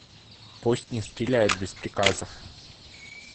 Пусть не стреляют без приказа.